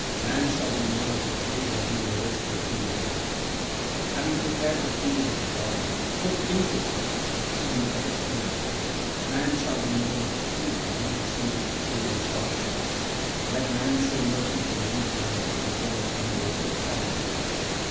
Man shall be known as true when he knoweth the true way; Having prepared the field of the body, put into it the seed of the Creator. Man shall be known as true when he receiveth true instruction ; Let man show mercy to living things and perform some works of charity.